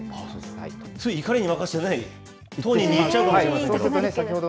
つい、怒りに任せて当人に言っちゃうかもしれないんですけど。